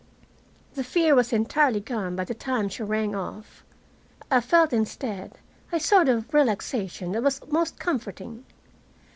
The fear was entirely gone by the time she rang off. I felt, instead, a sort of relaxation that was most comforting.